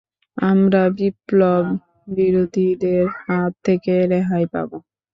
আমরা বিপ্লব বিরোধীদের হাত থেকে রেহাই পাব।